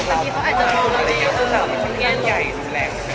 ตอนนี้เขาอาจจะมองอะไรอย่างเงียบอย่างใหญ่แรง